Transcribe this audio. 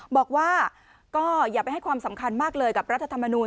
บอกว่าก็อย่าไปให้ความสำคัญมากเลยกับรัฐธรรมนูล